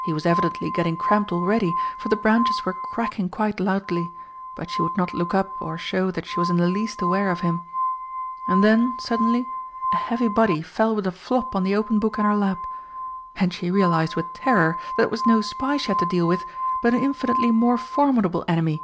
He was evidently getting cramped already, for the branches were cracking quite loudly, but she would not look up or show that she was in the least aware of him. And then suddenly a heavy body fell with a flop on the open book in her lap and she realised with terror that it was no spy she had to deal with, but an infinitely more formidable enemy.